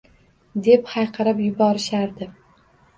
Deb hayqirib yuborishardi